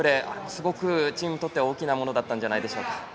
すごくチームにとって大きなものだったんじゃないでしょうか。